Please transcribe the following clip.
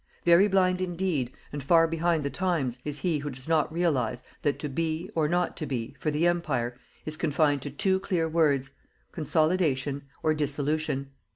Very blind indeed, and far behind the times, is he who does not realize that TO BE, or NOT TO BE, for the Empire, is confined to two clear words: CONSOLIDATION or DISSOLUTION.